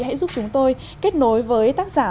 hãy giúp chúng tôi kết nối với tác giả